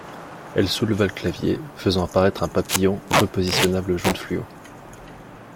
Elle souleva le clavier, faisant apparaître un papillon repositionnable jaune fluo.